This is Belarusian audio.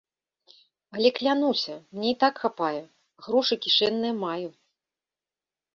Але клянуся, мне і так хапае, грошы кішэнныя маю.